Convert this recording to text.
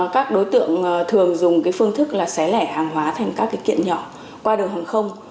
các đối tượng thường dùng phương thức là xé lẻ hàng hóa thành các kiện nhỏ qua đường hàng không